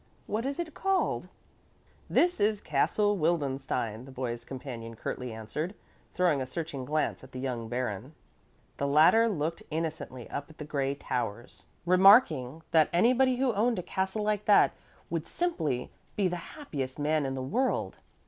What is it called?" "This is Castle Wildenstein," the boy's companion curtly answered, throwing a searching glance at the young Baron. The latter looked innocently up at the gray towers, remarking that anybody who owned a castle like that would simply be the happiest man in the world.